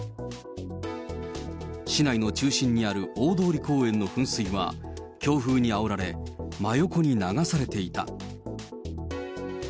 市内の中心にある大通公園の噴水は、強風にあおられ、真横に流されていた。